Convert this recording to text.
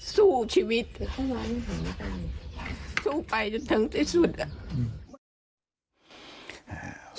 สู้ไปจะถึงที่สุดอ่ะ